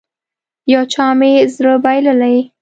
يو چا مې زړه بايللی.